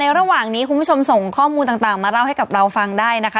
ระหว่างนี้คุณผู้ชมส่งข้อมูลต่างมาเล่าให้กับเราฟังได้นะคะ